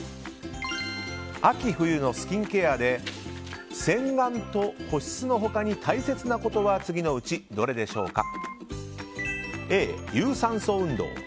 秋冬のスキンケアで洗顔と保湿の他に大切なことは次のうちどれでしょうか。